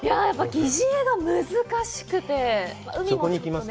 疑似餌が難しくて。